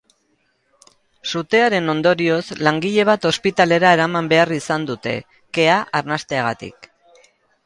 Sutearen ondorioz, langile bat ospitalera eraman behar izan dute, kea arnasteagatik.